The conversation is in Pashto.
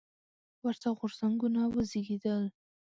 ورته غورځنګونه وزېږېدل.